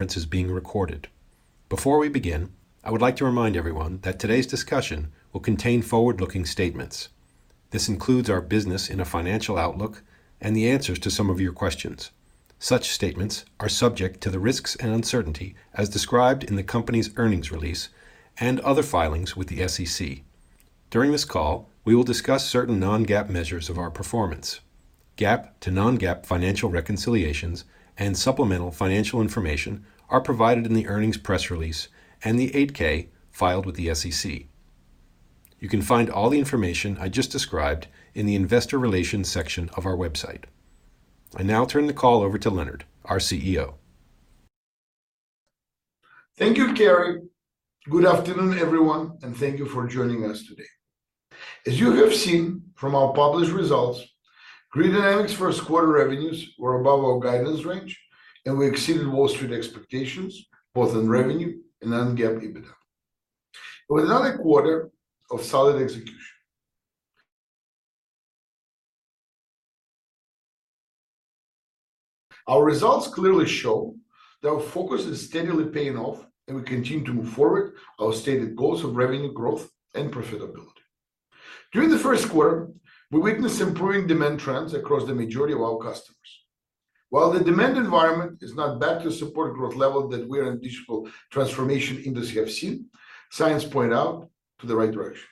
Conference is being recorded. Before we begin, I would like to remind everyone that today's discussion will contain forward-looking statements. This includes our business in a financial outlook and the answers to some of your questions. Such statements are subject to the risks and uncertainty as described in the company's earnings release and other filings with the SEC. During this call, we will discuss certain Non-GAAP measures of our performance. GAAP to Non-GAAP financial reconciliations and supplemental financial information are provided in the earnings press release and the 8-K filed with the SEC. You can find all the information I just described in the investor relations section of our website. I now turn the call over to Leonard, our CEO. Thank you, Kerry. Good afternoon, everyone, and thank you for joining us today. As you have seen from our published results, Grid Dynamics first quarter revenues were above our guidance range, and we exceeded Wall Street expectations, both in revenue and non-GAAP EBITDA. It was another quarter of solid execution. Our results clearly show that our focus is steadily paying off, and we continue to move forward our stated goals of revenue growth and profitability. During the first quarter, we witnessed improving demand trends across the majority of our customers. While the demand environment is not back to support growth level that we are in digital transformation industry have seen, signs point out to the right direction.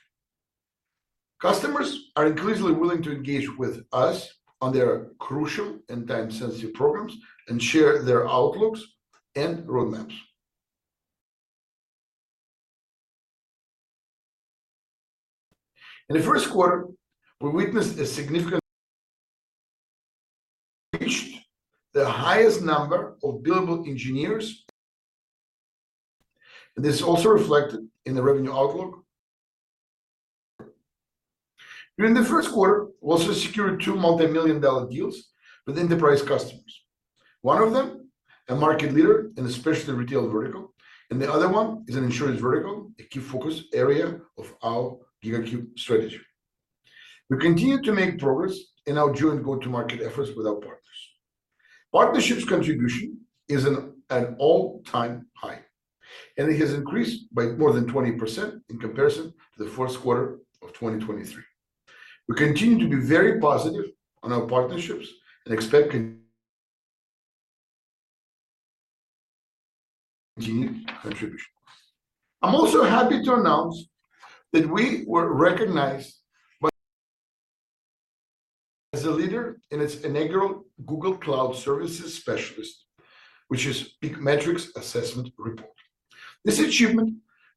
Customers are increasingly willing to engage with us on their crucial and time-sensitive programs and share their outlooks and roadmaps. In the first quarter, we witnessed a significant... reached the highest number of billable engineers. This is also reflected in the revenue outlook. During the first quarter, we also secured two $multi-million-dollar deals with enterprise customers. One of them, a market leader in a specialty retail vertical, and the other one is an insurance vertical, a key focus area of our GigaCube strategy. We continue to make progress in our joint go-to-market efforts with our partners. Partnerships contribution is at an all-time high, and it has increased by more than 20% in comparison to the first quarter of 2023. We continue to be very positive on our partnerships and expect continued contribution. I'm also happy to announce that we were recognized by... as a leader in its inaugural Google Cloud Services Specialist, which is PEAK Matrix Assessment Report. This achievement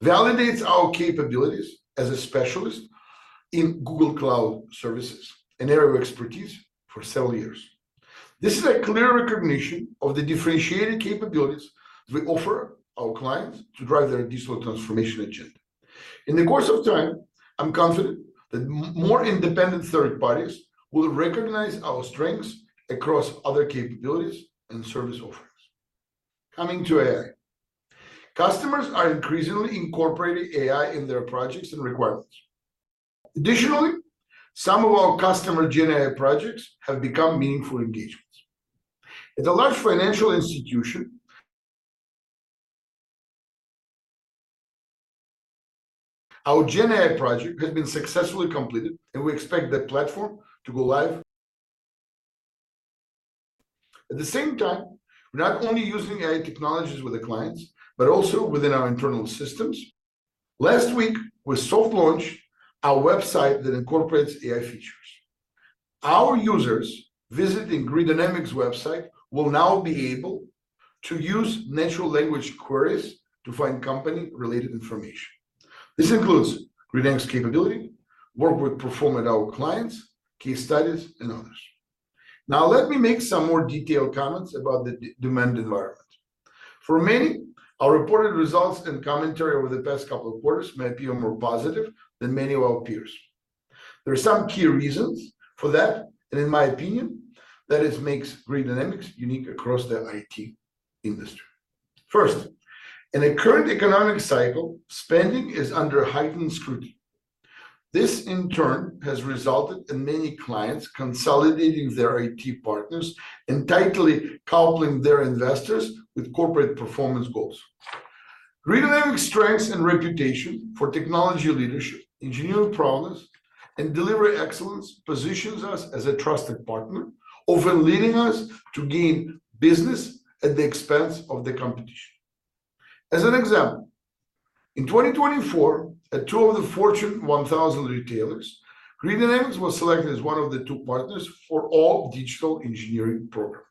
validates our capabilities as a specialist in Google Cloud Services, an area of expertise for several years. This is a clear recognition of the differentiated capabilities we offer our clients to drive their digital transformation agenda. In the course of time, I'm confident that more independent third parties will recognize our strengths across other capabilities and service offerings. Coming to AI. Customers are increasingly incorporating AI in their projects and requirements. Additionally, some of our customer GenAI projects have become meaningful engagements. At a large financial institution, our GenAI project has been successfully completed, and we expect that platform to go live. At the same time, we're not only using AI technologies with the clients, but also within our internal systems. Last week, we soft launched our website that incorporates AI features. Our users visiting Grid Dynamics website will now be able to use natural language queries to find company-related information. This includes Grid Dynamics capability, work we perform with our clients, case studies, and others. Now, let me make some more detailed comments about the demand environment. For many, our reported results and commentary over the past couple of quarters may be more positive than many of our peers. There are some key reasons for that, and in my opinion, that it makes Grid Dynamics unique across the IT industry. First, in a current economic cycle, spending is under heightened scrutiny. This, in turn, has resulted in many clients consolidating their IT partners and tightly coupling their investors with corporate performance goals. Grid Dynamics' strengths and reputation for technology leadership, engineering prowess, and delivery excellence positions us as a trusted partner, often leading us to gain business at the expense of the competition. As an example, in 2024, at 2 of the Fortune 1000 retailers, Grid Dynamics was selected as one of the 2 partners for all digital engineering programs.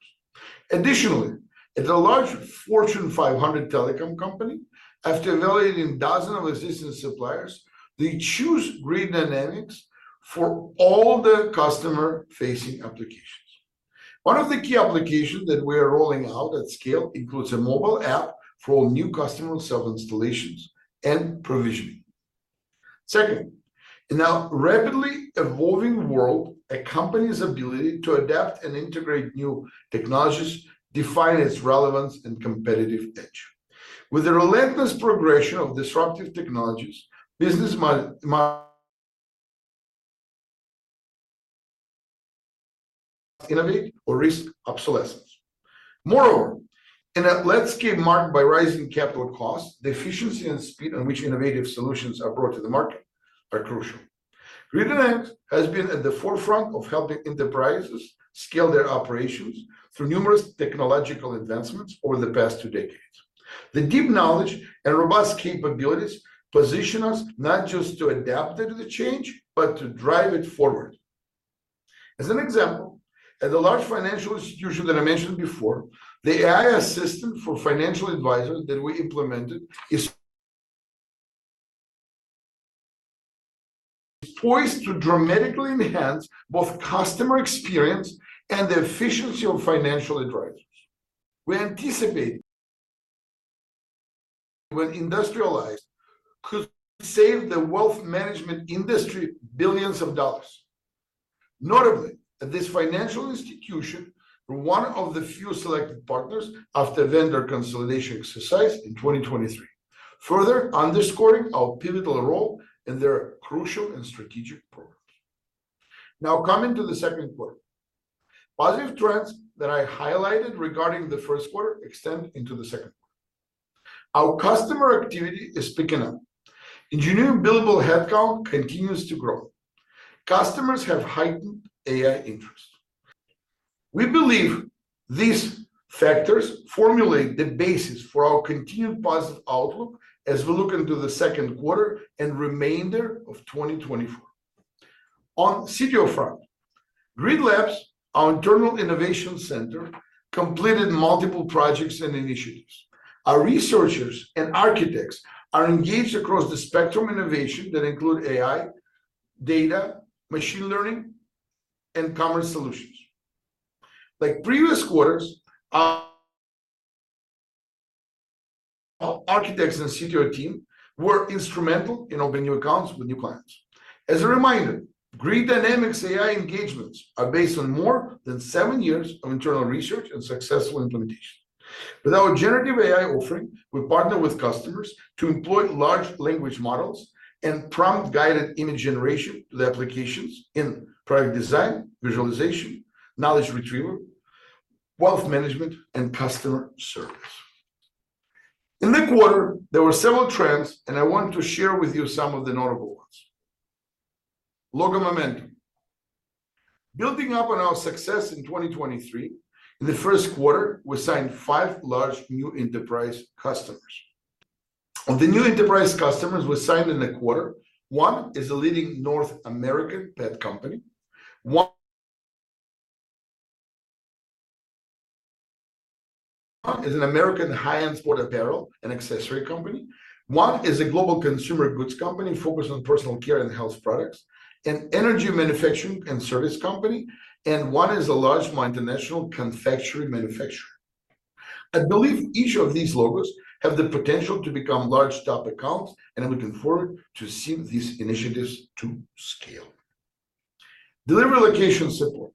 Additionally, at a large Fortune 500 telecom company, after evaluating dozens of assistant suppliers, they choose Grid Dynamics for all the customer-facing applications. One of the key applications that we are rolling out at scale includes a mobile app for all new customer self-installations and provisioning. Second, in our rapidly evolving world, a company's ability to adapt and integrate new technologies define its relevance and competitive edge. With the relentless progression of disruptive technologies, business models must innovate or risk obsolescence. Moreover, in a landscape marked by rising capital costs, the efficiency and speed on which innovative solutions are brought to the market are crucial. Grid Dynamics has been at the forefront of helping enterprises scale their operations through numerous technological advancements over the past two decades. The deep knowledge and robust capabilities position us not just to adapt to the change, but to drive it forward. As an example, at the large financial institution that I mentioned before, the AI assistant for financial advisors that we implemented is poised to dramatically enhance both customer experience and the efficiency of financial advisors. We anticipate when industrialized could save the wealth management industry $ billions. Notably, at this financial institution, we're one of the few selected partners after vendor consolidation exercise in 2023, further underscoring our pivotal role in their crucial and strategic programs. Now, coming to the second quarter. Positive trends that I highlighted regarding the first quarter extend into the second quarter. Our customer activity is picking up. Engineering billable headcount continues to grow. Customers have heightened AI interest. We believe these factors formulate the basis for our continued positive outlook as we look into the second quarter and remainder of 2024. On CTO front, Grid Labs, our internal innovation center, completed multiple projects and initiatives. Our researchers and architects are engaged across the spectrum innovation that include AI, data, machine learning, and commerce solutions. Like previous quarters, our architects and CTO team were instrumental in opening new accounts with new clients. As a reminder, Grid Dynamics AI engagements are based on more than seven years of internal research and successful implementation. With our generative AI offering, we partner with customers to employ large language models and prompt guided image generation to the applications in product design, visualization, knowledge retrieval, wealth management, and customer service. In the quarter, there were several trends, and I want to share with you some of the notable ones. Logo momentum. Building up on our success in 2023, in the first quarter, we signed five large new enterprise customers. Of the new enterprise customers we signed in the quarter, one is a leading North American pet company, one is an American high-end sport apparel and accessory company, one is a global consumer goods company focused on personal care and health products, an energy manufacturing and service company, and one is a large multinational confectionery manufacturer. I believe each of these logos have the potential to become large top accounts, and I'm looking forward to seeing these initiatives to scale. Delivery location support.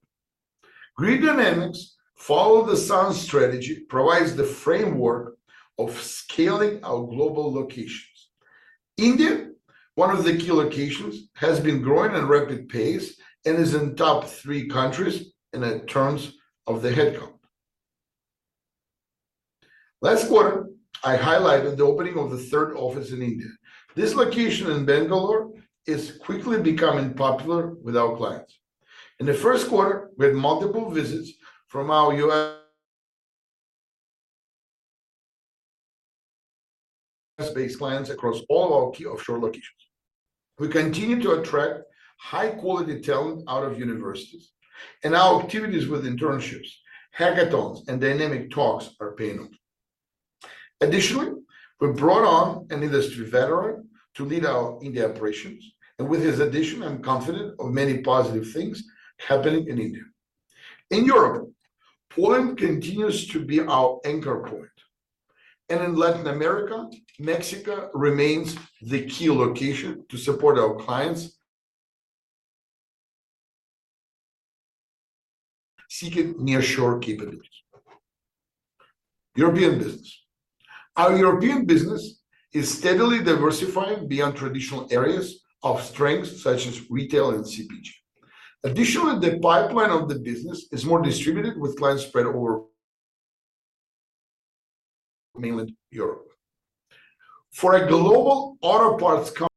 Grid Dynamics Follow the Sun strategy provides the framework of scaling our global locations. India, one of the key locations, has been growing at a rapid pace and is in top three countries in terms of the headcount. Last quarter, I highlighted the opening of the third office in India. This location in Bangalore is quickly becoming popular with our clients. In the first quarter, we had multiple visits from our U.S.-based clients across all our key offshore locations. We continue to attract high-quality talent out of universities, and our activities with internships, hackathons, and Dynamic Talks are paying off. Additionally, we brought on an industry veteran to lead our India operations, and with his addition, I'm confident of many positive things happening in India. In Europe, Poland continues to be our anchor point, and in Latin America, Mexico remains the key location to support our clients seeking nearshore capabilities. European business. Our European business is steadily diversifying beyond traditional areas of strength, such as retail and CPG. Additionally, the pipeline of the business is more distributed, with clients spread over mainland Europe. For a global auto parts company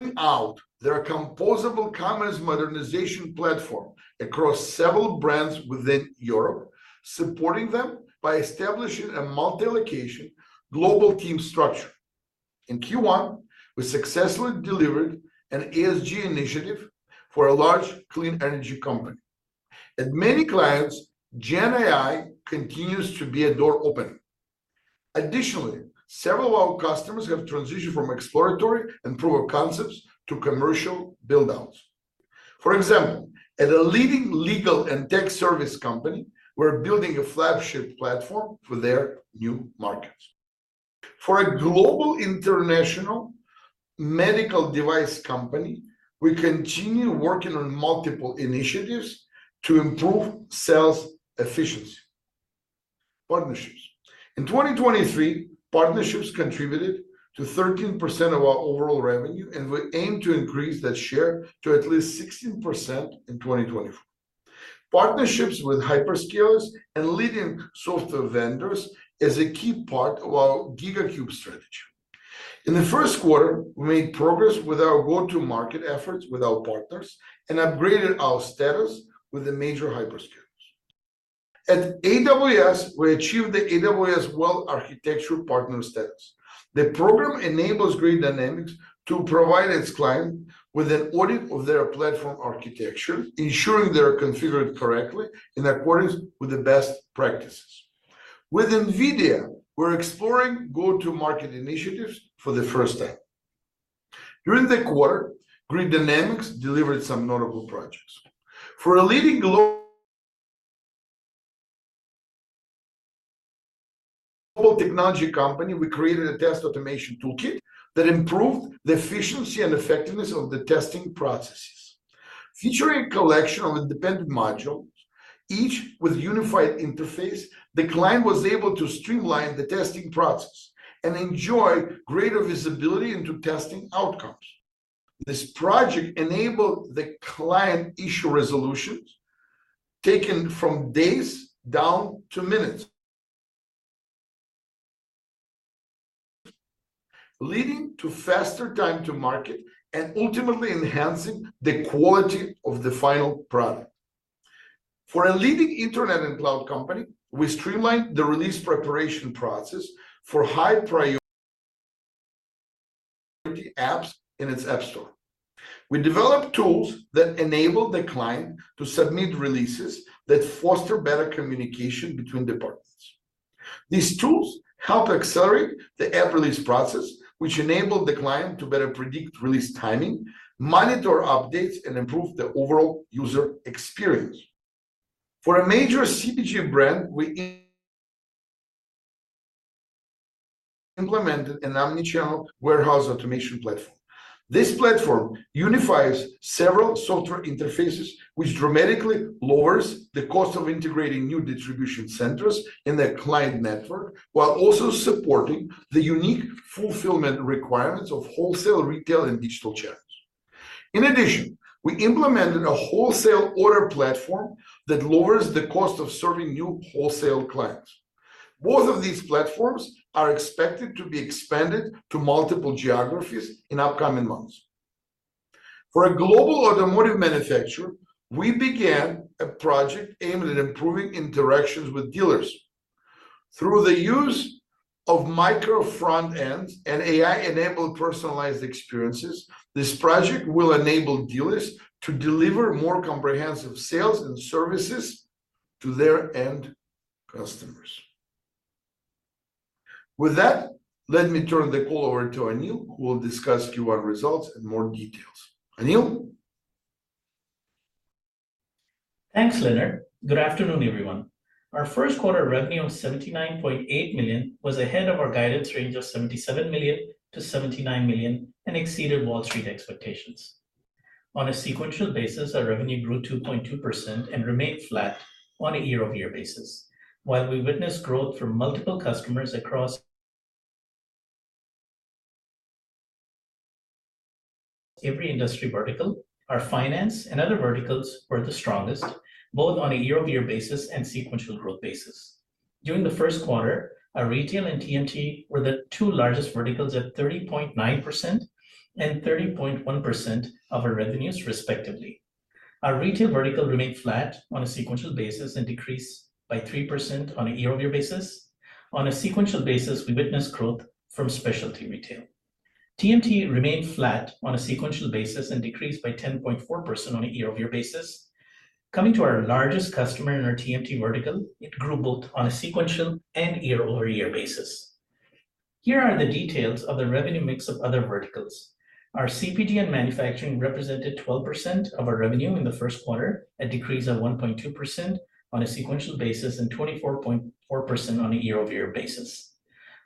uncertain composable commerce modernization platform across several brands within Europe, supporting them by establishing a multi-location global team structure. In Q1, we successfully delivered an ESG initiative for a large clean energy company. At many clients, GenAI continues to be a door opener. Additionally, several of our customers have transitioned from exploratory and proof of concepts to commercial build-outs. For example, at a leading legal and tech service company, we're building a flagship platform for their new markets. For a global international medical device company, we continue working on multiple initiatives to improve sales efficiency... partnerships. In 2023, partnerships contributed to 13% of our overall revenue, and we aim to increase that share to at least 16% in 2024. Partnerships with hyperscalers and leading software vendors is a key part of our GigaCube strategy. In the first quarter, we made progress with our go-to-market efforts with our partners and upgraded our status with the major hyperscalers. At AWS, we achieved the AWS Well-Architected Partner status. The program enables Grid Dynamics to provide its client with an audit of their platform architecture, ensuring they are configured correctly in accordance with the best practices. With NVIDIA, we're exploring go-to-market initiatives for the first time. During the quarter, Grid Dynamics delivered some notable projects. For a leading global technology company, we created a test automation toolkit that improved the efficiency and effectiveness of the testing processes. Featuring a collection of independent modules, each with unified interface, the client was able to streamline the testing process and enjoy greater visibility into testing outcomes. This project enabled the client issue resolutions, taking from days down to minutes, leading to faster time to market and ultimately enhancing the quality of the final product. For a leading internet and cloud company, we streamlined the release preparation process for high priority apps in its app store. We developed tools that enable the client to submit releases that foster better communication between departments. These tools help accelerate the app release process, which enable the client to better predict release timing, monitor updates, and improve the overall user experience. For a major CPG brand, we implemented an omni-channel warehouse automation platform. This platform unifies several software interfaces, which dramatically lowers the cost of integrating new distribution centers in their client network, while also supporting the unique fulfillment requirements of wholesale, retail, and digital channels. In addition, we implemented a wholesale order platform that lowers the cost of serving new wholesale clients. Both of these platforms are expected to be expanded to multiple geographies in upcoming months. For a global automotive manufacturer, we began a project aimed at improving interactions with dealers. Through the use of micro front-ends and AI-enabled personalized experiences, this project will enable dealers to deliver more comprehensive sales and services to their end customers. With that, let me turn the call over to Anil, who will discuss Q1 results in more details. Anil? Thanks, Leonard. Good afternoon, everyone. Our first quarter revenue of $79.8 million was ahead of our guidance range of $77 million-$79 million and exceeded Wall Street expectations. On a sequential basis, our revenue grew 2.2% and remained flat on a year-over-year basis. While we witnessed growth from multiple customers across every industry vertical, our finance and other verticals were the strongest, both on a year-over-year basis and sequential growth basis. During the first quarter, our retail and TMT were the two largest verticals at 30.9% and 30.1% of our revenues, respectively. Our retail vertical remained flat on a sequential basis and decreased by 3% on a year-over-year basis. On a sequential basis, we witnessed growth from specialty retail. TMT remained flat on a sequential basis and decreased by 10.4% on a year-over-year basis. Coming to our largest customer in our TMT vertical, it grew both on a sequential and year-over-year basis. Here are the details of the revenue mix of other verticals. Our CPG and manufacturing represented 12% of our revenue in the first quarter, a decrease of 1.2% on a sequential basis, and 24.4% on a year-over-year basis.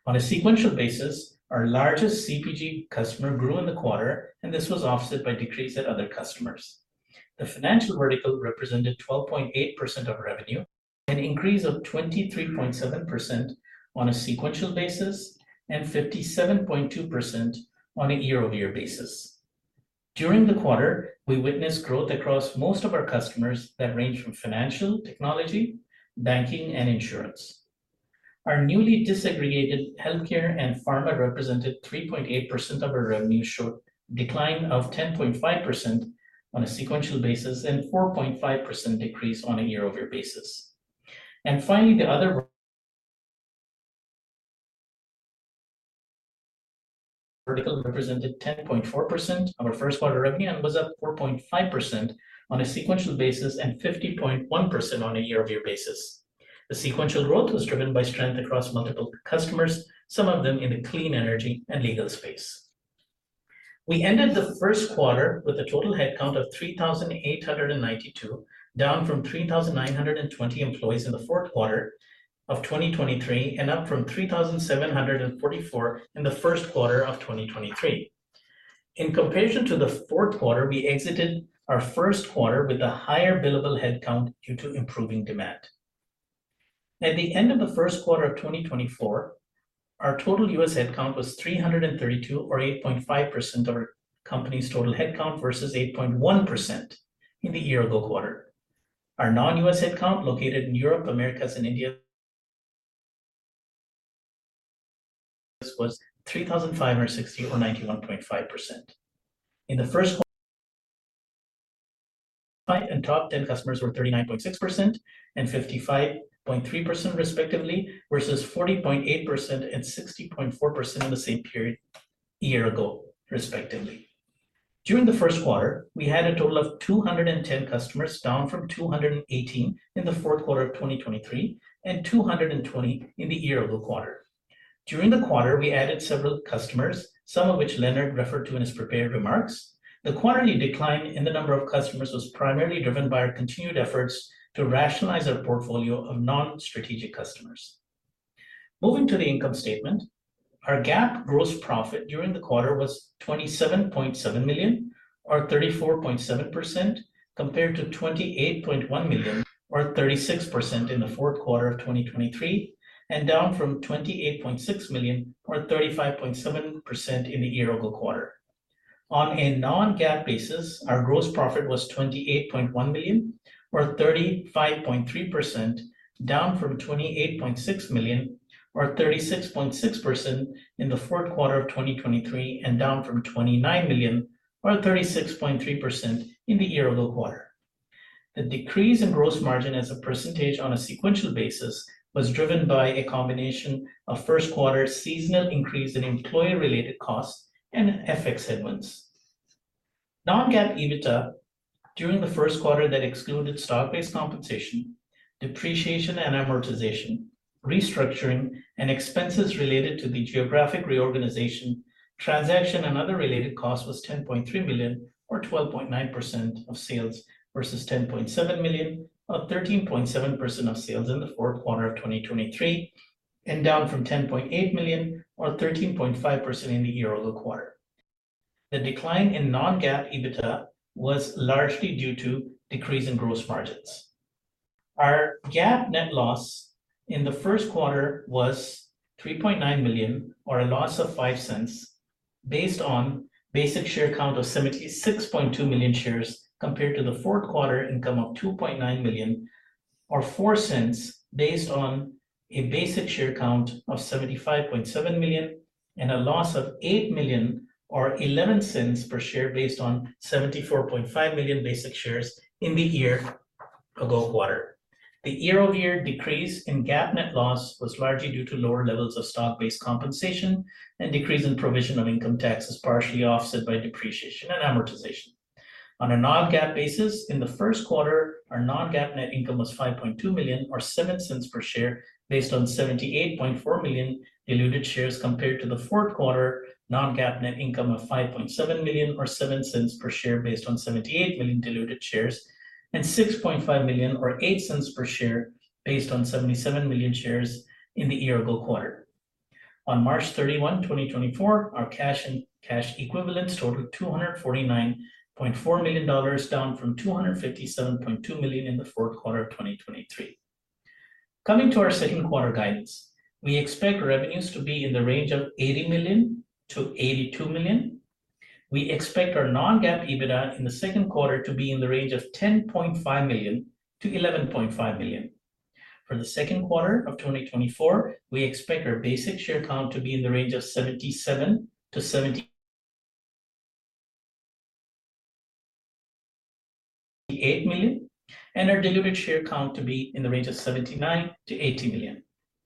On a sequential basis, our largest CPG customer grew in the quarter, and this was offset by decrease at other customers. The financial vertical represented 12.8% of revenue, an increase of 23.7% on a sequential basis and 57.2% on a year-over-year basis. During the quarter, we witnessed growth across most of our customers that range from financial, technology, banking, and insurance. Our newly disaggregated healthcare and pharma represented 3.8% of our revenue, showed decline of 10.5% on a sequential basis and 4.5% decrease on a year-over-year basis. Finally, the other vertical represented 10.4% of our first quarter revenue and was up 4.5% on a sequential basis and 50.1% on a year-over-year basis. The sequential growth was driven by strength across multiple customers, some of them in the clean energy and legal space. We ended the first quarter with a total headcount of 3,892, down from 3,920 employees in the fourth quarter of 2023, and up from 3,744 in the first quarter of 2023. In comparison to the fourth quarter, we exited our first quarter with a higher billable headcount due to improving demand. At the end of the first quarter of 2024, our total US headcount was 332, or 8.5% of our company's total headcount, versus 8.1% in the year-ago quarter. Our non-US headcount, located in Europe, Americas, and India, was 3,560, or 91.5%. In the first quarter, top ten customers were 39.6% and 55.3% respectively, versus 40.8% and 60.4% in the same period a year ago, respectively. During the first quarter, we had a total of 210 customers, down from 218 in the fourth quarter of 2023, and 220 in the year-ago quarter. During the quarter, we added several customers, some of which Leonard referred to in his prepared remarks. The quarterly decline in the number of customers was primarily driven by our continued efforts to rationalize our portfolio of non-strategic customers. Moving to the income statement, our GAAP gross profit during the quarter was $27.7 million, or 34.7%, compared to $28.1 million, or 36%, in the fourth quarter of 2023, and down from $28.6 million, or 35.7%, in the year-ago quarter. On a non-GAAP basis, our gross profit was $28.1 million, or 35.3%, down from $28.6 million, or 36.6%, in the fourth quarter of 2023, and down from $29 million, or 36.3%, in the year-ago quarter. The decrease in gross margin as a percentage on a sequential basis was driven by a combination of first quarter seasonal increase in employee-related costs and FX headwinds. Non-GAAP EBITDA during the first quarter that excluded stock-based compensation, depreciation and amortization, restructuring, and expenses related to the geographic reorganization, transaction and other related costs was $10.3 million, or 12.9% of sales, versus $10.7 million, or 13.7% of sales, in the fourth quarter of 2023, and down from $10.8 million, or 13.5%, in the year-ago quarter. The decline in non-GAAP EBITDA was largely due to decrease in gross margins. Our GAAP net loss in the first quarter was $3.9 million, or a loss of $0.05, based on basic share count of 76.2 million shares, compared to the fourth quarter income of $2.9 million, or $0.04, based on a basic share count of 75.7 million, and a loss of $8 million or $0.11 per share based on 74.5 million basic shares in the year-ago quarter. The year-over-year decrease in GAAP net loss was largely due to lower levels of stock-based compensation and decrease in provision of income tax, as partially offset by depreciation and amortization. On a non-GAAP basis, in the first quarter, our non-GAAP net income was $5.2 million, or $0.07 per share, based on 78.4 million diluted shares, compared to the fourth quarter non-GAAP net income of $5.7 million, or $0.07 per share, based on 78 million diluted shares, and $6.5 million, or $0.08 per share, based on 77 million shares in the year-ago quarter. On March 31, 2024, our cash and cash equivalents totaled $249.4 million, down from $257.2 million in the fourth quarter of 2023. Coming to our second quarter guidance, we expect revenues to be in the range of $80 million-$82 million. We expect our non-GAAP EBITDA in the second quarter to be in the range of $10.5 million-$11.5 million. For the second quarter of 2024, we expect our basic share count to be in the range of 77-78 million, and our diluted share count to be in the range of 79-80 million.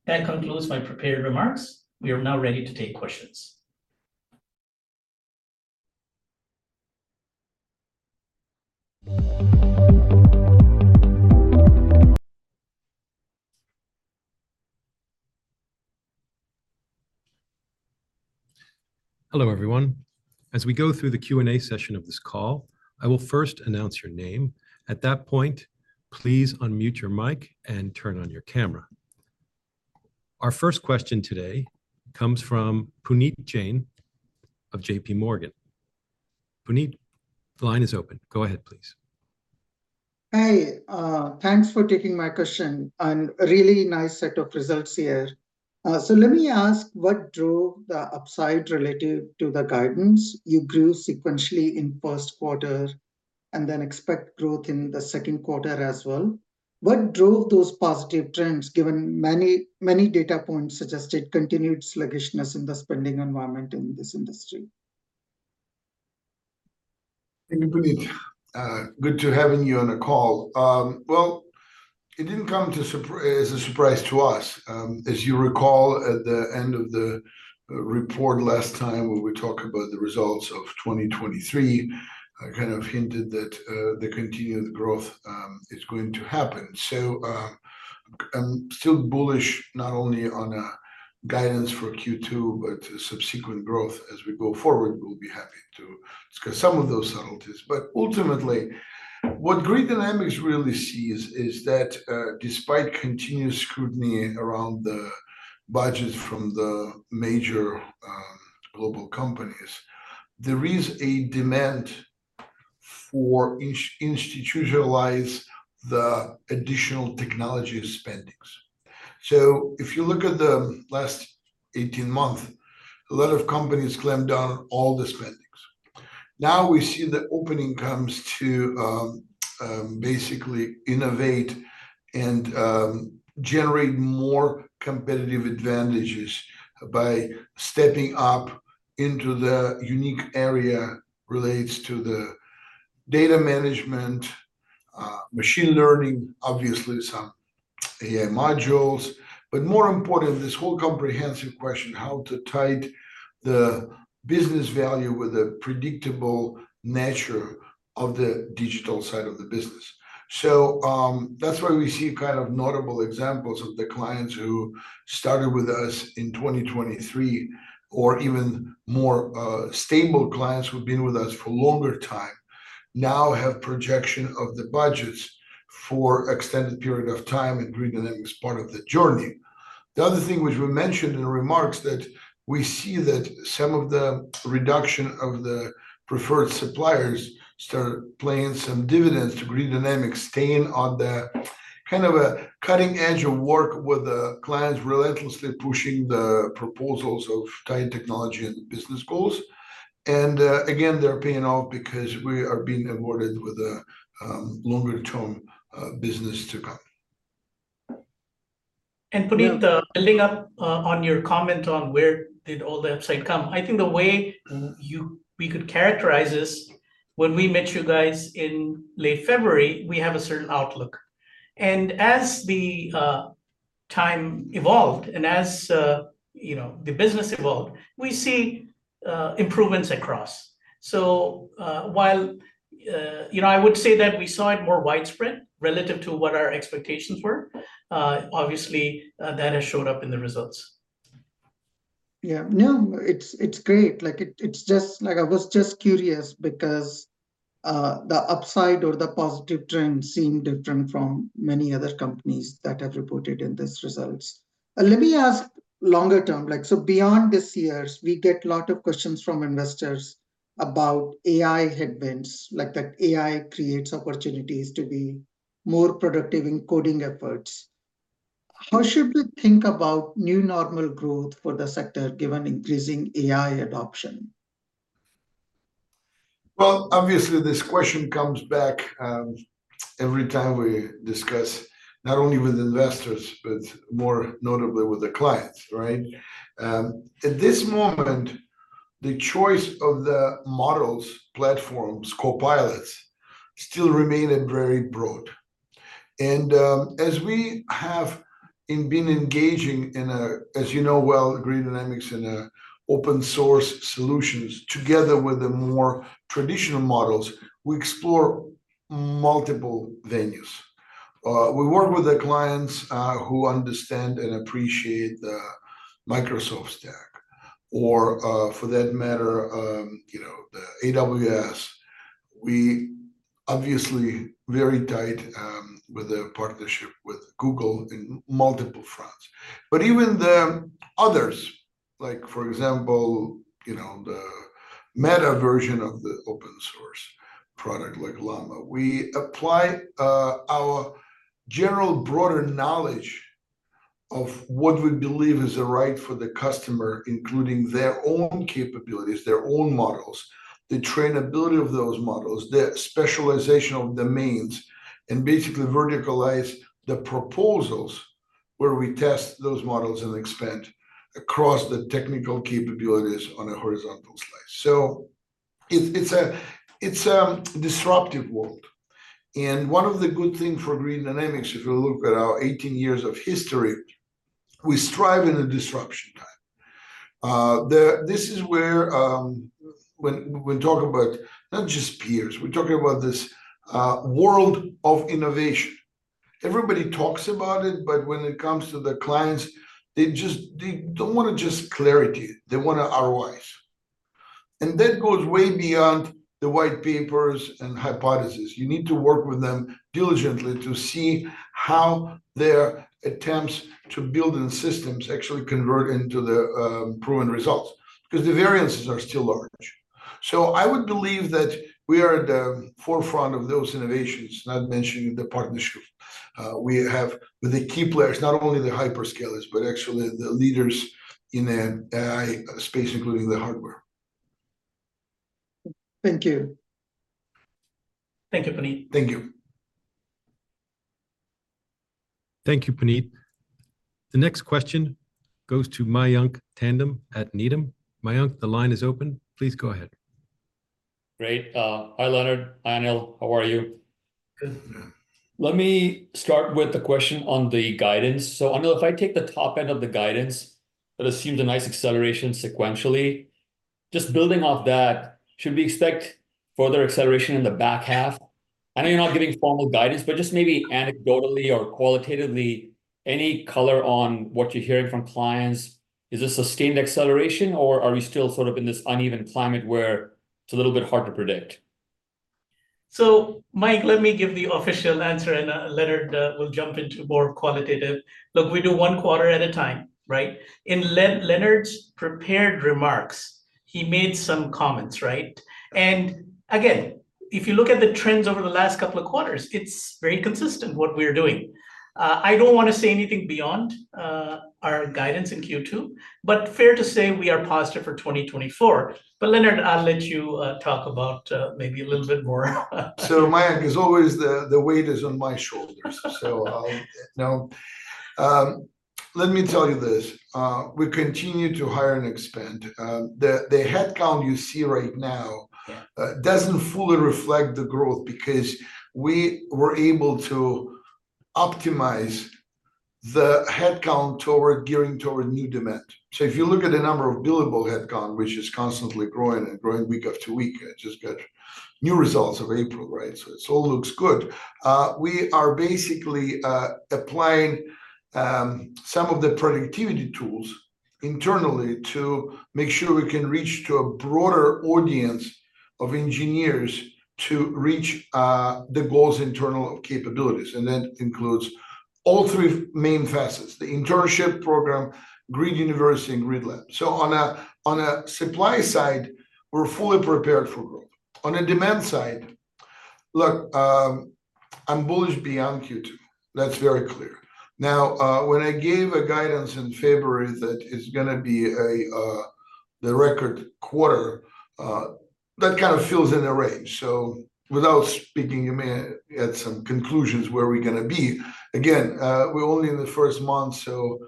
That concludes my prepared remarks. We are now ready to take questions. Hello, everyone. As we go through the Q&A session of this call, I will first announce your name. At that point, please unmute your mic and turn on your camera. Our first question today comes from Puneet Jain of JP Morgan. Puneet, the line is open. Go ahead, please. Hey, thanks for taking my question, and a really nice set of results here. So let me ask, what drove the upside relative to the guidance? You grew sequentially in first quarter and then expect growth in the second quarter as well. What drove those positive trends, given many, many data points suggested continued sluggishness in the spending environment in this industry? Thank you, Puneet. Good to having you on the call. Well, it didn't come as a surprise to us. As you recall, at the end of the report last time, when we talked about the results of 2023, I kind of hinted that the continued growth is going to happen. So, I'm still bullish, not only on guidance for Q2, but subsequent growth as we go forward. We'll be happy to discuss some of those subtleties. But ultimately, what Grid Dynamics really sees is that, despite continuous scrutiny around budgets from the major global companies, there is a demand for institutionalize the additional technology spendings. So if you look at the last 18 months, a lot of companies clamped down all the spendings. Now we see the opening comes to basically innovate and generate more competitive advantages by stepping up into the unique area relates to the data management, machine learning, obviously some AI modules. But more important, this whole comprehensive question, how to tie the business value with the predictable nature of the digital side of the business. So, that's why we see kind of notable examples of the clients who started with us in 2023, or even more, stable clients who've been with us for longer time, now have projection of the budgets for extended period of time, and Grid Dynamics is part of the journey. The other thing which we mentioned in the remarks, that we see that some of the reduction of the preferred suppliers start paying some dividends to Grid Dynamics, staying on the kind of a cutting edge of work with the clients, relentlessly pushing the proposals of tying technology and business goals. And, again, they're paying off because we are being awarded with a longer-term business to come. And Puneet, building up on your comment on where did all the upside come? I think the way we could characterize this, when we met you guys in late February, we have a certain outlook. And as the time evolved and as you know, the business evolved, we see improvements across. So while you know, I would say that we saw it more widespread relative to what our expectations were. Obviously, that has showed up in the results. Yeah, no, it's great. Like, it's just... Like, I was just curious because the upside or the positive trends seem different from many other companies that have reported in these results. Let me ask longer term, like, so beyond this years, we get lot of questions from investors about AI headwinds, like that AI creates opportunities to be more productive in coding efforts. How should we think about new normal growth for the sector, given increasing AI adoption? Well, obviously, this question comes back every time we discuss, not only with investors, but more notably with the clients, right? At this moment, the choice of the models, platforms, copilots, still remain very broad. And as we have been engaging in, as you know well, Grid Dynamics in open source solutions, together with the more traditional models, we explore multiple venues. We work with the clients who understand and appreciate the Microsoft stack, or, for that matter, you know, the AWS. We obviously very tight with the partnership with Google in multiple fronts. But even the others, like for example, you know, the Meta version of the open source product, like Llama. We apply our general broader knowledge of what we believe is right for the customer, including their own capabilities, their own models, the trainability of those models, their specialization of domains, and basically verticalize the proposals where we test those models and expand across the technical capabilities on a horizontal slice. So it's a disruptive world, and one of the good things for Grid Dynamics, if you look at our 18 years of history, we thrive in a disruption time. This is where, when we talk about not just peers, we're talking about this world of innovation. Everybody talks about it, but when it comes to the clients, they just, they don't want to just clarity, they want to ROIs. And that goes way beyond the white papers and hypothesis. You need to work with them diligently to see how their attempts to build in systems actually convert into the proven results, 'cause the variances are still large. So I would believe that we are at the forefront of those innovations, not mentioning the partnerships. We have the key players, not only the hyperscalers, but actually the leaders in the AI space, including the hardware. Thank you. Thank you, Puneet. Thank you. Thank you, Puneet. The next question goes to Mayank Tandon at Needham. Mayank, the line is open. Please go ahead. Great. Hi, Leonard. Hi, Anil. How are you? Good. Yeah. Let me start with a question on the guidance. So Anil, if I take the top end of the guidance, that assumes a nice acceleration sequentially. Just building off that, should we expect further acceleration in the back half? I know you're not giving formal guidance, but just maybe anecdotally or qualitatively, any color on what you're hearing from clients? Is this a sustained acceleration, or are we still sort of in this uneven climate where it's a little bit hard to predict? So Mike, let me give the official answer, and Leonard will jump into more qualitative. Look, we do one quarter at a time, right? In Leonard's prepared remarks, he made some comments, right? And again, if you look at the trends over the last couple of quarters, it's very consistent what we are doing. I don't wanna say anything beyond our guidance in Q2, but fair to say, we are positive for 2024. But Leonard, I'll let you talk about maybe a little bit more. So Mayank, as always, the weight is on my shoulders. So I'll... Now, let me tell you this, we continue to hire and expand. The headcount you see right now- Yeah... doesn't fully reflect the growth, because we were able to optimize the headcount toward gearing toward new demand. So if you look at the number of billable headcount, which is constantly growing and growing week after week, I just got new results of April, right? So it all looks good. We are basically applying some of the productivity tools internally to make sure we can reach to a broader audience of engineers to reach the goals internal of capabilities, and that includes all three main facets, the internship program, Grid University, and Grid Labs. So on a supply side, we're fully prepared for growth. On a demand side, look, I'm bullish beyond Q2. That's very clear. Now, when I gave a guidance in February that it's gonna be a, the record quarter, that kind of fills in a range. So without speaking, you may add some conclusions where we're gonna be. Again, we're only in the first month, so,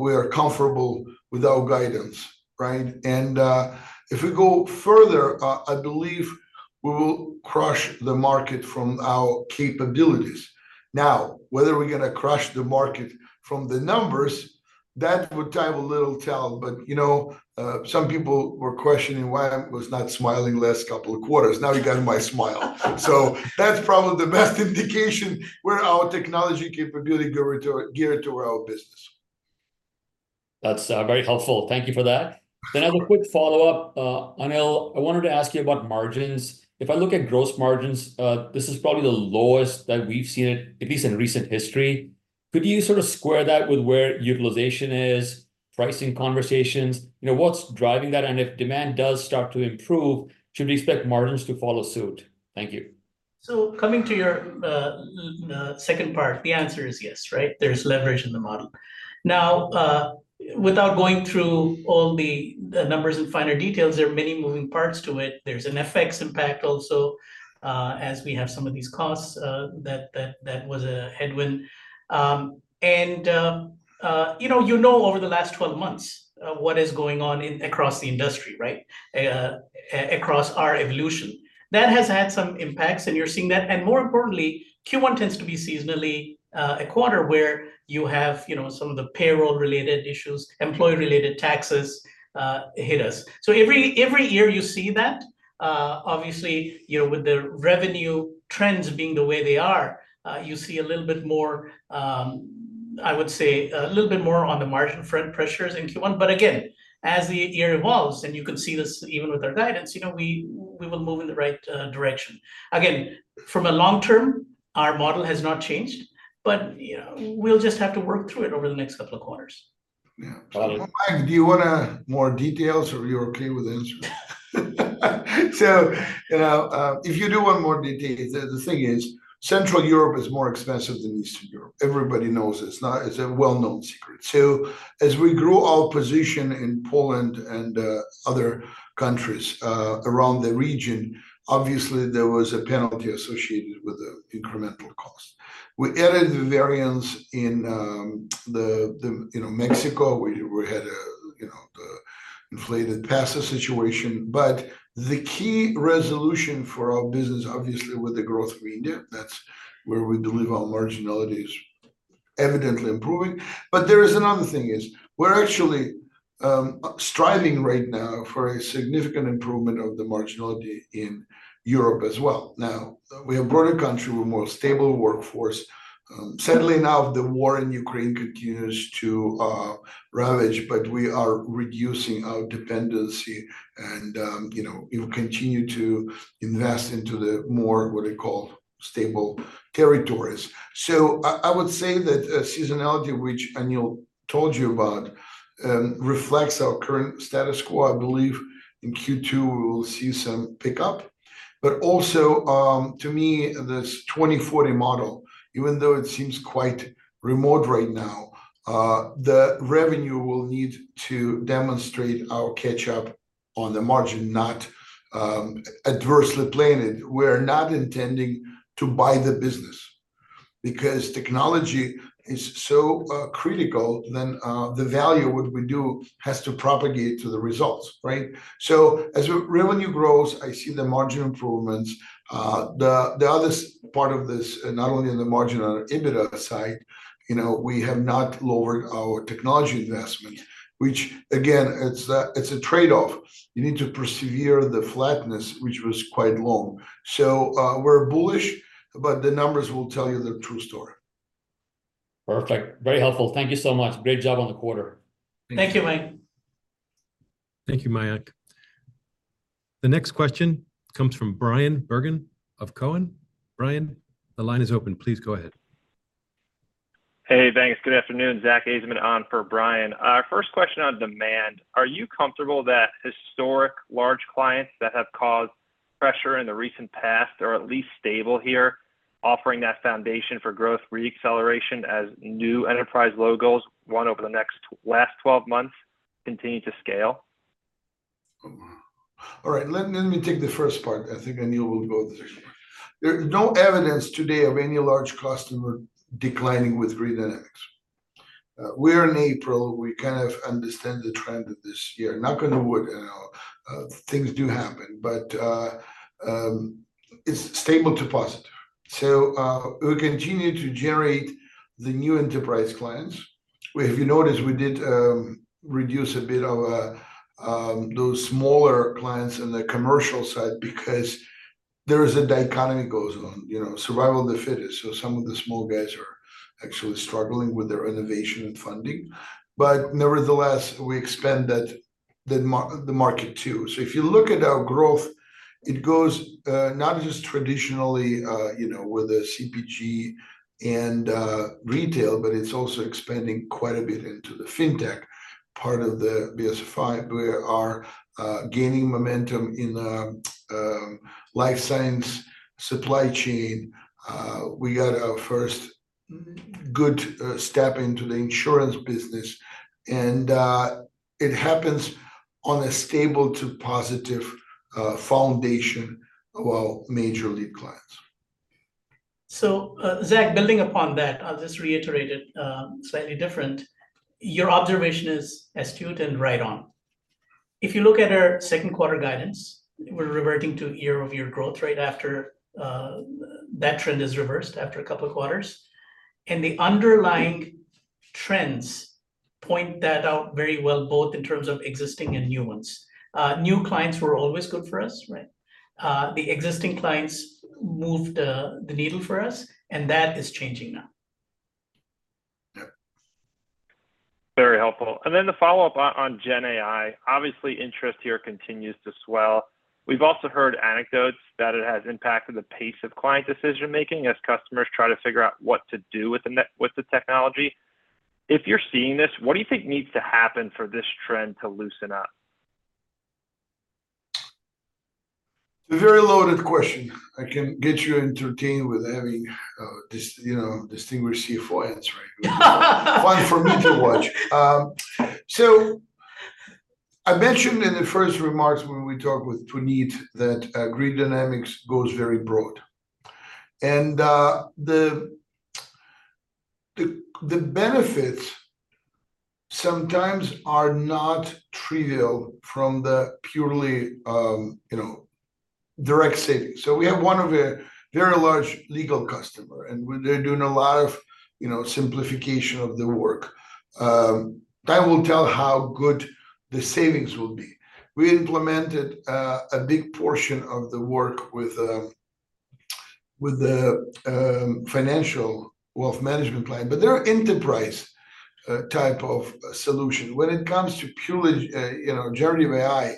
we are comfortable with our guidance, right? And, if we go further, I believe we will crush the market from our capabilities. Now, whether we're gonna crush the market from the numbers, that time will tell. But, you know, some people were questioning why I was not smiling last couple of quarters. Now you got my smile. So that's probably the best indication where our technology capability geared to our business. That's very helpful. Thank you for that. Mm-hmm. Then I have a quick follow-up. Anil, I wanted to ask you about margins. If I look at gross margins, this is probably the lowest that we've seen it, at least in recent history. Could you sort of square that with where utilization is, pricing conversations? You know, what's driving that? And if demand does start to improve, should we expect margins to follow suit? Thank you. So coming to your second part, the answer is yes, right? There's leverage in the model. Now, without going through all the numbers and finer details, there are many moving parts to it. There's an FX impact also, as we have some of these costs that was a headwind. And you know over the last 12 months, what is going on across the industry, right? Across our evolution. That has had some impacts, and you're seeing that. And more importantly, Q1 tends to be seasonally a quarter where you have you know some of the payroll-related issues, employee-related taxes hit us. So every year you see that. Obviously, you know, with the revenue trends being the way they are, you see a little bit more, I would say a little bit more on the margin front pressures in Q1. But again, as the year evolves, and you can see this even with our guidance, you know, we, we will move in the right direction. Again, from a long term, our model has not changed, but, you know, we'll just have to work through it over the next couple of quarters. Yeah. Got it. Mike, do you want more details, or are you okay with the answer? So, you know, if you do want more details, the thing is, Central Europe is more expensive than Eastern Europe. Everybody knows this. Now, it's a well-known secret. So as we grew our position in Poland and other countries around the region, obviously there was a penalty associated with the incremental cost. We added the variance in, you know, Mexico, where we had a, you know, the inflated passage situation. But the key resolution for our business, obviously, with the growth we did, that's where we believe our marginality is evidently improving. But there is another thing is, we're actually striving right now for a significant improvement of the marginality in Europe as well. Now, we have broader country with more stable workforce. Sadly now, the war in Ukraine continues to ravage, but we are reducing our dependency and, you know, we will continue to invest into the more, what they call, stable territories. So I would say that seasonality, which Anil told you about, reflects our current status quo. I believe in Q2, we will see some pickup. But also, to me, this 2040 model, even though it seems quite remote right now, the revenue will need to demonstrate our catch-up on the margin, not adversely planned. We're not intending to buy the business, because technology is so critical, then the value, what we do, has to propagate to the results, right? So as revenue grows, I see the margin improvements. The other part of this, not only in the margin, on EBITDA side, you know, we have not lowered our technology investment, which again, it's a trade-off. You need to preserve the flatness, which was quite long. So, we're bullish, but the numbers will tell you the true story. Perfect. Very helpful. Thank you so much. Great job on the quarter. Thank you, Mike.... Thank you, Mayank. The next question comes from Bryan Bergin of Cowen. Brian, the line is open. Please go ahead. Hey, thanks. Good afternoon. Zach Ajzenman on for Bryan Bergin. First question on demand: are you comfortable that historic large clients that have caused pressure in the recent past are at least stable here, offering that foundation for growth re-acceleration as new enterprise logos won over the last twelve months continue to scale? All right, let me take the first part. I think Anil will go with the second. There's no evidence today of any large customer declining with Grid Dynamics. We're in April, we kind of understand the trend of this year. Knock on wood, you know, things do happen, but, it's stable to positive. So, we continue to generate the new enterprise clients. If you noticed, we did reduce a bit of those smaller clients on the commercial side because there is a dichotomy goes on, you know, survival of the fittest. So some of the small guys are actually struggling with their innovation and funding, but nevertheless, we expand that the market, too. So if you look at our growth, it goes, not just traditionally, you know, with the CPG and retail, but it's also expanding quite a bit into the Fintech part of the BFSI. We are gaining momentum in the life science supply chain. We got our first good step into the insurance business, and it happens on a stable to positive foundation of our major lead clients. So, Zach, building upon that, I'll just reiterate it, slightly different. Your observation is astute and right on. If you look at our second quarter guidance, we're reverting to year-over-year growth rate after that trend is reversed after a couple of quarters. And the underlying trends point that out very well, both in terms of existing and new ones. New clients were always good for us, right? The existing clients moved the needle for us, and that is changing now. Yeah. Very helpful. And then the follow-up on GenAI, obviously interest here continues to swell. We've also heard anecdotes that it has impacted the pace of client decision-making as customers try to figure out what to do with the technology. If you're seeing this, what do you think needs to happen for this trend to loosen up? A very loaded question. I can get you entertained with having, you know, distinguished CFO answer, right? Fun for me to watch. So I mentioned in the first remarks when we talked with Puneet that, Grid Dynamics goes very broad. And, the benefits sometimes are not trivial from the purely, you know, direct savings. So we have one of a very large legal customer, and we're, they're doing a lot of, you know, simplification of the work. Time will tell how good the savings will be. We implemented, a big portion of the work with, with the, financial wealth management platform, but they're enterprise, type of solution. When it comes to purely, you know, generative AI,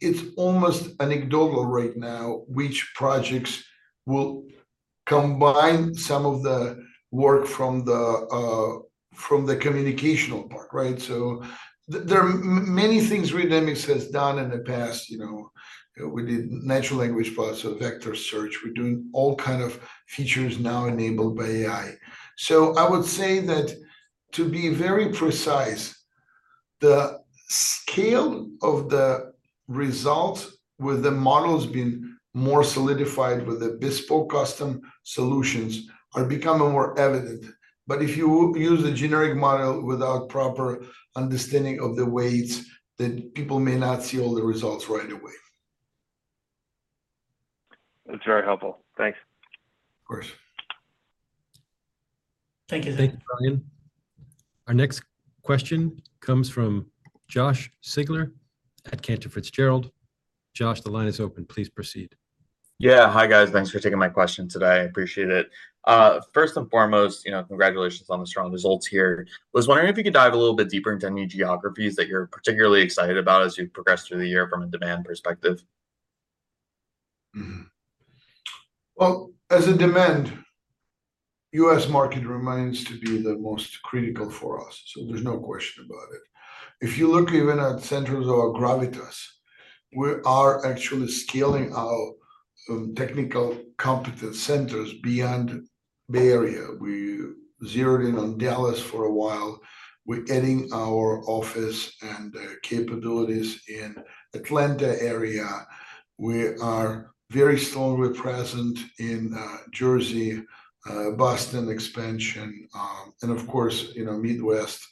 it's almost anecdotal right now which projects will combine some of the work from the, from the communicational part, right? So there are many things Grid Dynamics has done in the past, you know. We did natural language plus a vector search. We're doing all kind of features now enabled by AI. So I would say that to be very precise, the scale of the result with the models being more solidified with the bespoke custom solutions are becoming more evident. But if you use a generic model without proper understanding of the weights, then people may not see all the results right away. That's very helpful. Thanks. Of course. Thank you. Thank you, Brian. Our next question comes from Josh Siegler at Cantor Fitzgerald. Josh, the line is open. Please proceed. Yeah. Hi, guys. Thanks for taking my question today. I appreciate it. First and foremost, you know, congratulations on the strong results here. Was wondering if you could dive a little bit deeper into any geographies that you're particularly excited about as you progress through the year from a demand perspective? Mm-hmm. Well, as a demand, U.S. market remains to be the most critical for us, so there's no question about it. If you look even at centers of our gravitas, we are actually scaling out some technical competence centers beyond Bay Area. We zeroed in on Dallas for a while. We're getting our office and capabilities in Atlanta area. We are very strongly present in Jersey, Boston expansion, and of course, you know, Midwest,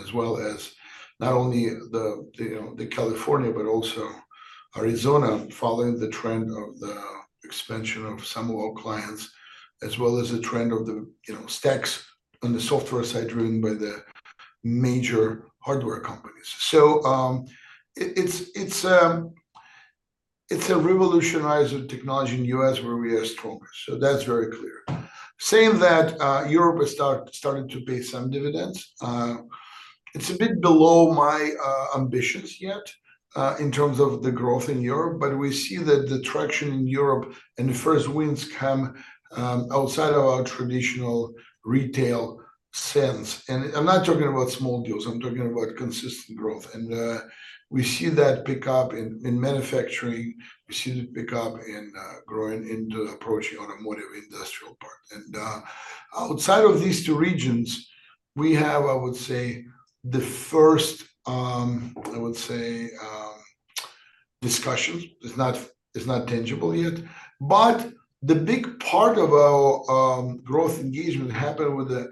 as well as not only the, you know, the California, but also Arizona, following the trend of the expansion of some of our clients, as well as the trend of the, you know, stacks on the software side driven by the major hardware companies. So, it's a revolutionizer technology in U.S. where we are stronger, so that's very clear. Same that Europe is starting to pay some dividends. It's a bit below my ambitions yet in terms of the growth in Europe, but we see that the traction in Europe, and the first wins come outside of our traditional retail sense. And we see that pick up in manufacturing, we see that pick up in growing into approaching automotive industrial part. And outside of these two regions, we have, I would say, the first discussion. It's not tangible yet, but the big part of our growth engagement happened with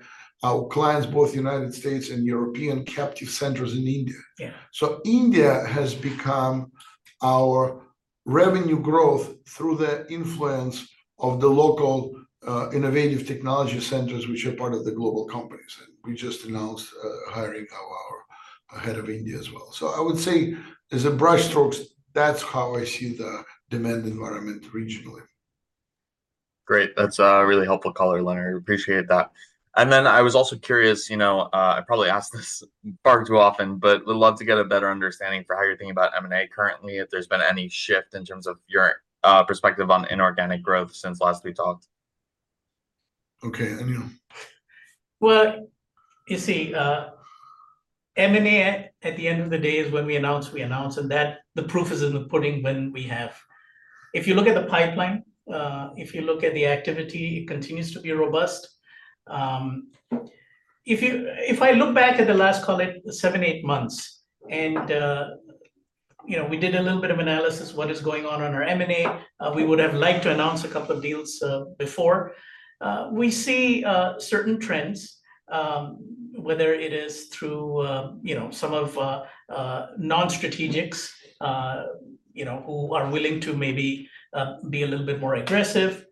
our clients, both United States and European captive centers in India. Yeah. So India has become our revenue growth through the influence of the local innovative technology centers which are part of the global companies, and we just announced hiring our head of India as well. So I would say, in broad brushstrokes, that's how I see the demand environment regionally. Great. That's a really helpful color, Leonard. Appreciate that. And then I was also curious, you know, I probably ask this far too often, but would love to get a better understanding for how you're thinking about M&A currently, if there's been any shift in terms of your perspective on inorganic growth since last we talked? Okay, Anil? Well, you see, M&A, at the end of the day, is when we announce, we announce, and that the proof is in the pudding when we have... If you look at the pipeline, if you look at the activity, it continues to be robust. If I look back at the last, call it 7, 8 months, and, you know, we did a little bit of analysis, what is going on on our M&A, we would have liked to announce a couple of deals before. We see certain trends, whether it is through, you know, some of non-strategics, you know, who are willing to maybe be a little bit more aggressive.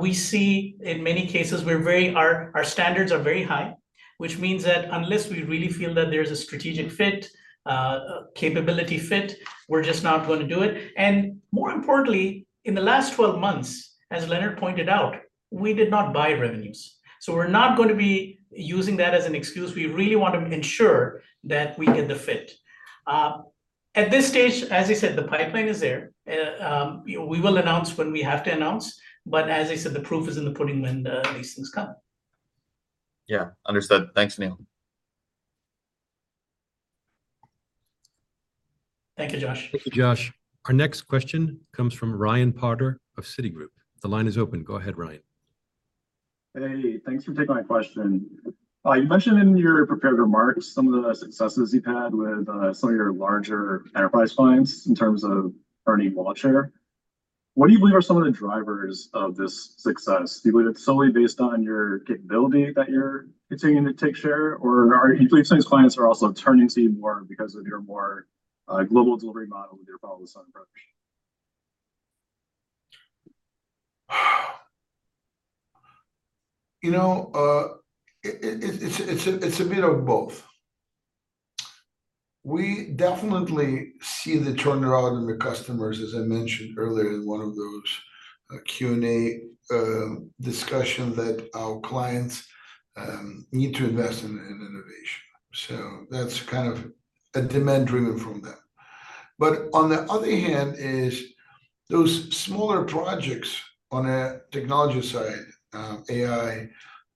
We see in many cases, we're very... Our standards are very high, which means that unless we really feel that there's a strategic fit, capability fit, we're just not going to do it. And more importantly, in the last twelve months, as Leonard pointed out, we did not buy revenues, so we're not going to be using that as an excuse. We really want to ensure that we get the fit. At this stage, as I said, the pipeline is there. We will announce when we have to announce, but as I said, the proof is in the pudding when the listings come. Yeah. Understood. Thanks, Anil. Thank you, Josh. Thank you, Josh. Our next question comes from Ryan Potter of Citigroup. The line is open. Go ahead, Ryan. Hey, thanks for taking my question. You mentioned in your prepared remarks some of the successes you've had with some of your larger enterprise clients in terms of earning wallet share. What do you believe are some of the drivers of this success? Do you believe it's solely based on your capability that you're continuing to take share, or do you believe these clients are also turning to you more because of your more global delivery model with your follow the sun approach? You know, it's a bit of both. We definitely see the turnaround in the customers, as I mentioned earlier in one of those Q&A discussions, that our clients need to invest in innovation. So that's kind of a demand driven from that. But on the other hand, is those smaller projects on a technology side, AI,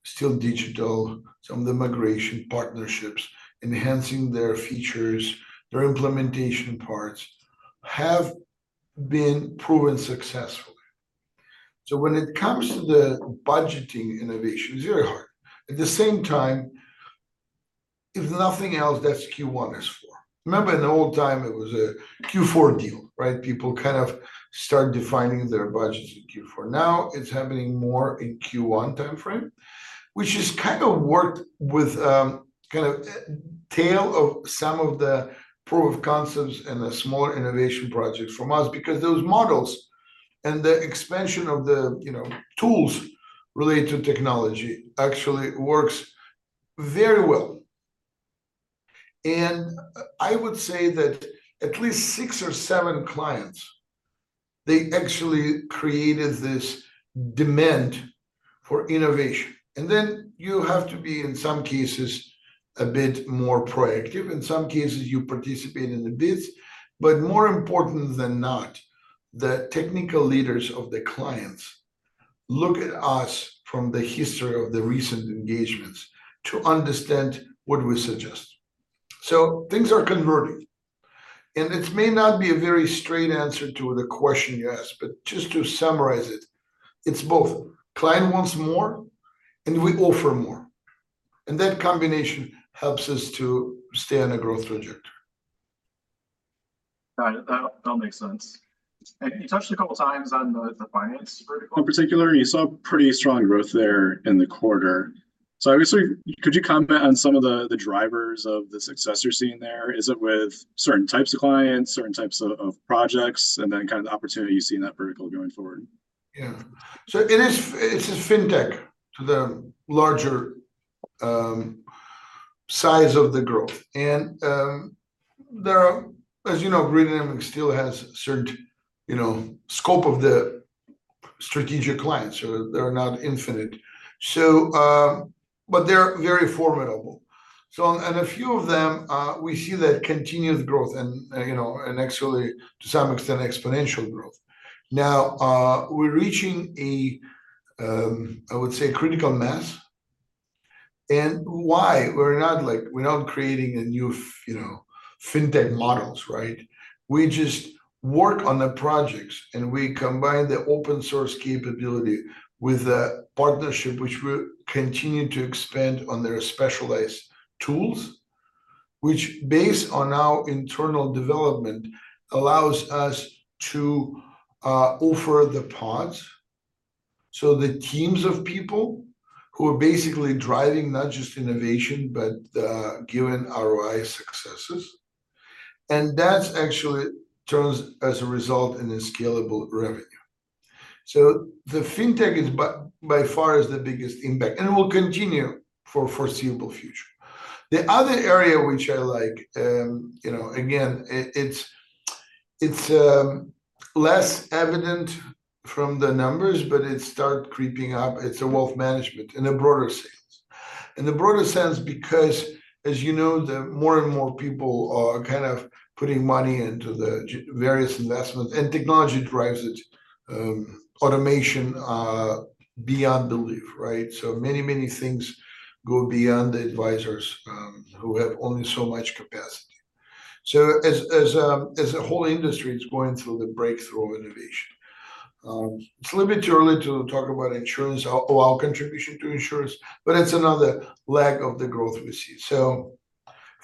still digital, some of the migration partnerships, enhancing their features, their implementation parts, have been proven successful. So when it comes to the budgeting, innovation is very hard. At the same time, if nothing else, that's Q1 is the new Q4. Remember in the old time it was a Q4 deal, right? People kind of start defining their budgets in Q4. Now it's happening more in Q1 timeframe, which is kind of worked with, kind of tail of some of the proof of concepts and the smaller innovation projects from us, because those models and the expansion of the, you know, tools related to technology actually works very well. And I would say that at least six or seven clients, they actually created this demand for innovation. And then you have to be, in some cases, a bit more proactive. In some cases, you participate in the bids. But more often than not, the technical leaders of the clients look at us from the history of the recent engagements to understand what we suggest. So things are converting, and it may not be a very straight answer to the question you asked, but just to summarize it, it's both. Client wants more, and we offer more, and that combination helps us to stay on a growth trajectory. Got it. That makes sense. And you touched a couple times on the finance vertical in particular. You saw pretty strong growth there in the quarter. So obviously, could you comment on some of the drivers of the success you're seeing there? Is it with certain types of clients, certain types of projects, and then kind of the opportunity you see in that vertical going forward? Yeah. So it is, it's Fintech to the larger size of the growth. And, there are, as you know, Grid Dynamics still has certain, you know, scope of the strategic clients, so they're not infinite. So, but they're very formidable. So, and a few of them, we see that continuous growth and, you know, and actually to some extent, exponential growth. Now, we're reaching a, I would say critical mass. And why? We're not like- we're not creating a new f- you know, fintech models, right? We just work on the projects, and we combine the open source capability with a partnership which we continue to expand on their specialized tools, which based on our internal development, allows us to offer the pods. So the teams of people who are basically driving not just innovation, but given ROI successes, and that's actually turns as a result in a scalable revenue. So the Fintech is by far the biggest impact, and will continue for foreseeable future. The other area which I like, you know, again, it's less evident from the numbers, but it start creeping up. It's the wealth management in a broader sense. In a broader sense because, as you know, the more and more people are kind of putting money into the various investments, and technology drives it, automation beyond belief, right? So many, many things go beyond the advisors, who have only so much capacity. So as a whole industry, it's going through the breakthrough of innovation. It's a little bit too early to talk about insurance or our contribution to insurance, but it's another leg of the growth we see.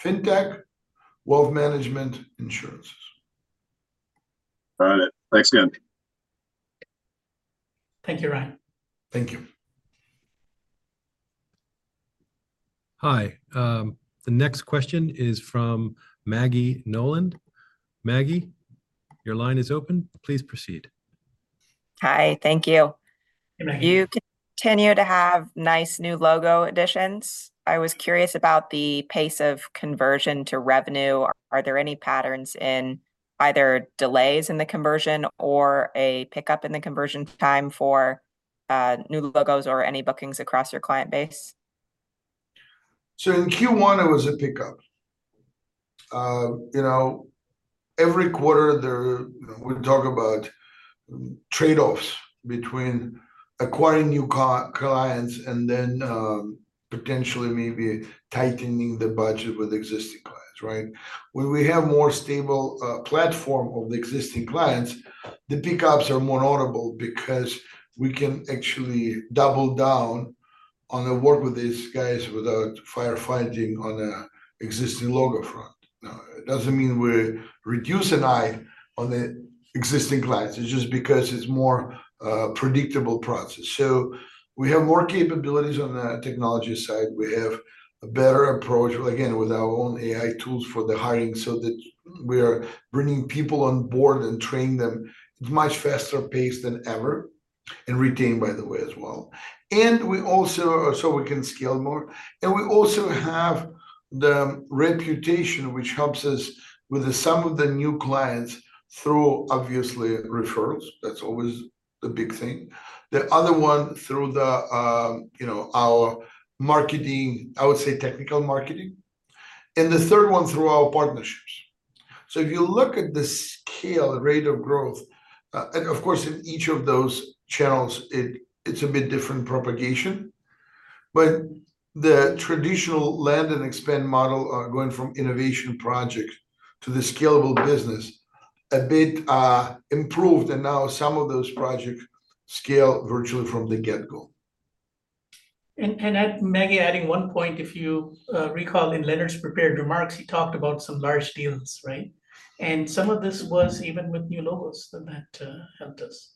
Fintech, wealth management, insurances. Got it. Thanks, again. Thank you, Ryan. Thank you. Hi. The next question is from Maggie Nolan. Maggie, your line is open, please proceed. Hi, thank you. Hey, Maggie. You continue to have nice new logo additions. I was curious about the pace of conversion to revenue. Are there any patterns in either delays in the conversion or a pickup in the conversion time for new logos or any bookings across your client base? So in Q1, it was a pickup. You know, every quarter there, we talk about trade-offs between acquiring new clients and then potentially maybe tightening the budget with existing clients, right? When we have more stable platform of the existing clients, the pickups are more notable because we can actually double down on the work with these guys without firefighting on an existing logo front. Now, it doesn't mean we keep an eye on the existing clients. It's just because it's more predictable process. So we have more capabilities on the technology side. We have a better approach, again, with our own AI tools for the hiring, so that we are bringing people on board and training them much faster pace than ever, and retain, by the way, as well. And we also... So we can scale more. And we also have the reputation, which helps us with some of the new clients through, obviously, referrals. That's always the big thing. The other one, through the, you know, our marketing, I would say technical marketing, and the third one through our partnerships. So if you look at the scale, the rate of growth, and of course, in each of those channels, it, it's a bit different propagation. But the traditional land and expand model, going from innovation project to the scalable business, a bit, improved, and now some of those projects scale virtually from the get-go. Maggie, adding one point, if you recall in Leonard's prepared remarks, he talked about some large deals, right? And some of this was even with new logos, so that helped us.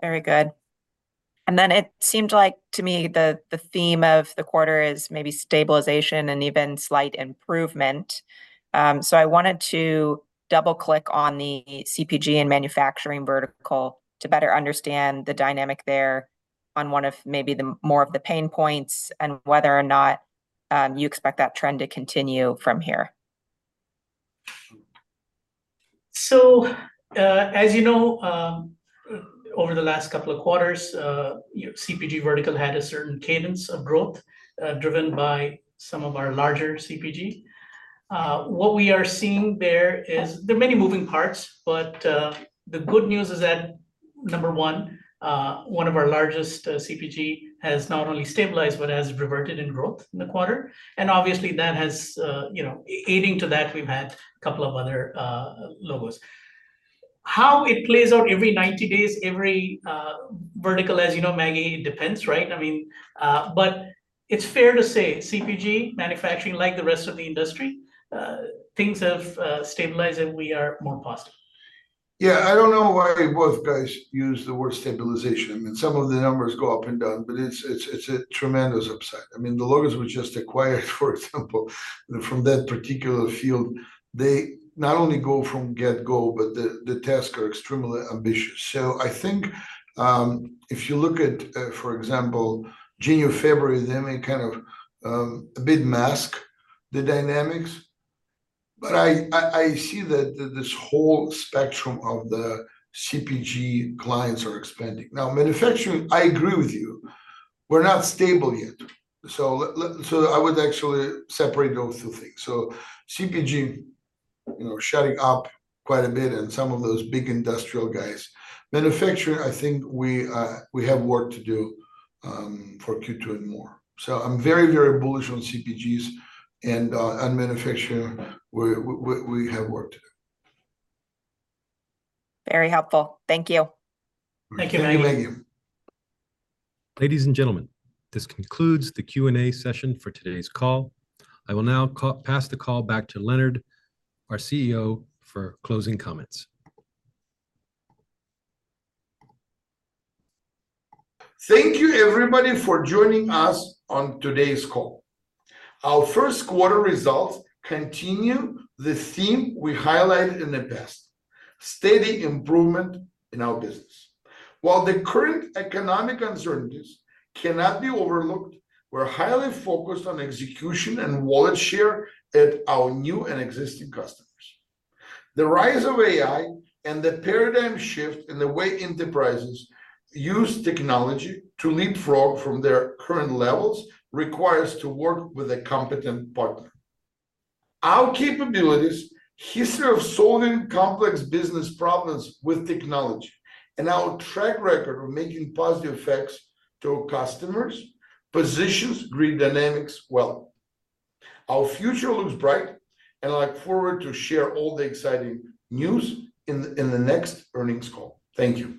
Very good. And then it seemed like to me, the, the theme of the quarter is maybe stabilization and even slight improvement. So I wanted to double-click on the CPG and manufacturing vertical to better understand the dynamic there on one of maybe the more of the pain points, and whether or not, you expect that trend to continue from here. So, as you know, over the last couple of quarters, CPG vertical had a certain cadence of growth, driven by some of our larger CPG. What we are seeing there is there are many moving parts, but, the good news is that, number one, one of our largest, CPG has not only stabilized but has reverted in growth in the quarter, and obviously, that has, you know... A- adding to that, we've had a couple of other, logos. How it plays out every 90 days, every, vertical, as you know, Maggie, it depends, right? I mean, but it's fair to say CPG, manufacturing, like the rest of the industry, things have, stabilized, and we are more positive. Yeah, I don't know why both guys use the word stabilization. I mean, some of the numbers go up and down, but it's a tremendous upside. I mean, the logos we just acquired, for example, from that particular field, they not only go from the get-go, but the tasks are extremely ambitious. So I think, if you look at, for example, Jan or February, they may kind of a bit mask the dynamics, but I see that this whole spectrum of the CPG clients are expanding. Now, manufacturing, I agree with you, we're not stable yet. So I would actually separate those two things. So CPG, you know, picking up quite a bit, and some of those big industrial guys. Manufacturing, I think we have work to do, for Q2 and more. I'm very, very bullish on CPGs, and on manufacturing, we have work to do. Very helpful. Thank you. Thank you, Maggie. Thank you, Maggie. Ladies and gentlemen, this concludes the Q&A session for today's call. I will now pass the call back to Leonard, our CEO, for closing comments. Thank you everybody for joining us on today's call. Our first quarter results continue the theme we highlighted in the past, steady improvement in our business. While the current economic uncertainties cannot be overlooked, we're highly focused on execution and wallet share at our new and existing customers. The rise of AI and the paradigm shift in the way enterprises use technology to leapfrog from their current levels, requires to work with a competent partner. Our capabilities, history of solving complex business problems with technology, and our track record of making positive effects to our customers, positions Grid Dynamics well. Our future looks bright, and I look forward to share all the exciting news in the next earnings call. Thank you.